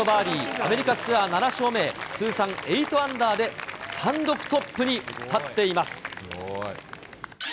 アメリカツアー７勝目へ、通算８アンダーで単独トップに立っています。